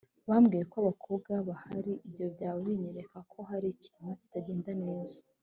Bambwiye ko abakobwa bahari ibyo byaba binyereka ko hari ikintu kitagenda neza